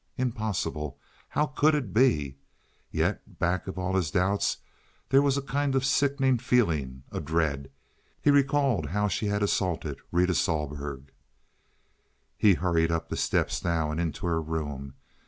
Impossible! How could it be? Yet back of all his doubts there was a kind of sickening feeling, a dread. He recalled how she had assaulted Rita Sohlberg. He hurried up the steps now and into her room.